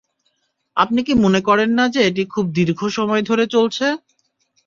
আপনি কি মনে করেন না যে এটি খুব দীর্ঘ সময় ধরে চলছে?